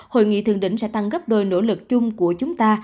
hội nghị thượng đỉnh sẽ tăng gấp đôi nỗ lực chung của chúng ta